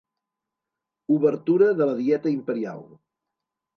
Obertura de la dieta imperial